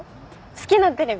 好きなテレビ。